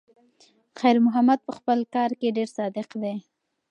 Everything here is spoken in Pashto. خیر محمد په خپل کار کې ډېر صادق دی.